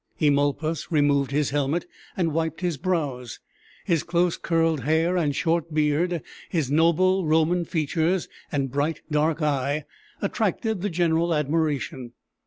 Eumolpus removed his helmet and wiped his brows; his close curled hair and short beard, his noble Roman features and bright dark eye, attracted the general admiration.